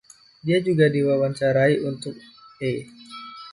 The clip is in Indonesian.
Dia juga diwawancarai untuk E!